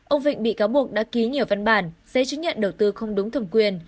ông vịnh bị cáo buộc đã ký nhiều văn bản giấy chứng nhận đầu tư không đúng thẩm quyền